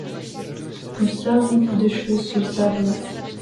Nous savons peu de choses sur sa vie.